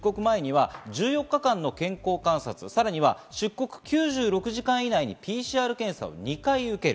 １４日間の健康観察、さらに出国９６時間以内にＰＣＲ検査を２回受ける。